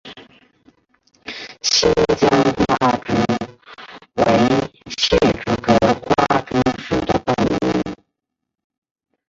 新疆花蛛为蟹蛛科花蛛属的动物。